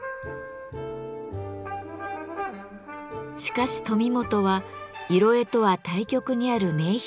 しかし富本は色絵とは対極にある名品を残しました。